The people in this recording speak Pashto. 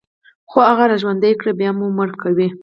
خو هغه راژوندي كړئ، بيا مو مړه کوي